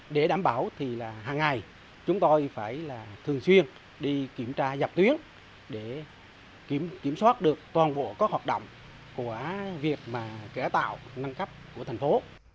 để đảm bảo thì hàng ngày chúng tôi phải thường xuyên đi kiểm tra dọc tuyến để kiểm soát được toàn bộ các hoạt động của việc kẻ tạo nâng cấp của thành phố